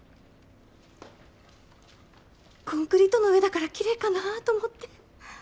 コンクリートの上だから奇麗かなと思って。